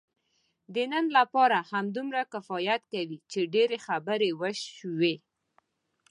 د نن لپاره همدومره کفایت کوي، چې ډېرې خبرې وشوې.